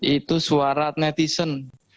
itu suara netizen